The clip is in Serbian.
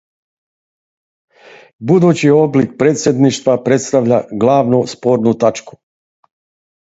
Будући облик председништва представља главну спорну тачку.